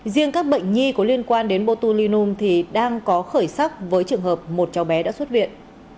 riêng các bệnh nhi có liên quan đến botulinum thì đang có khởi sắc với trường hợp một cháu bé đã xuất viện